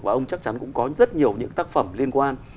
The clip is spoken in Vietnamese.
và ông chắc chắn cũng có rất nhiều những tác phẩm liên quan